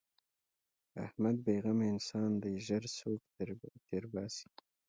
احمد بې زغمه انسان دی؛ ژر سوک تر باسي.